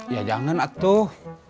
ya jangan atuh